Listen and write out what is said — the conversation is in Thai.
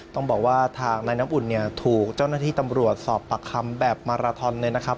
ต้องบอกว่าทางนายน้ำอุ่นเนี่ยถูกเจ้าหน้าที่ตำรวจสอบปากคำแบบมาราทอนเลยนะครับ